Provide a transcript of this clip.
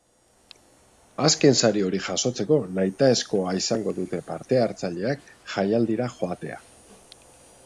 Azken sari hori jasotzeko nahitaezkoa izango dute parte-hartzaileek jaialdira joatea.